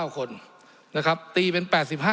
๖๘๒๙๗๙คนตีเป็น๘๕๘๕